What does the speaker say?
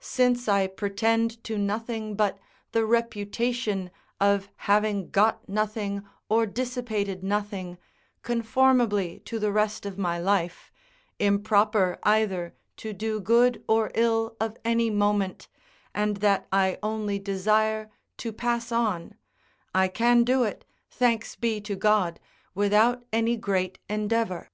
Since I pretend to nothing but the reputation of having got nothing or dissipated nothing, conformably to the rest of my life, improper either to do good or ill of any moment, and that I only desire to pass on, I can do it, thanks be to God, without any great endeavour.